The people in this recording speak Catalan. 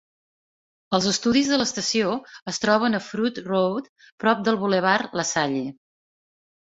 Els estudis de l'estació es troben a Frood Road prop del bulevard Lasalle.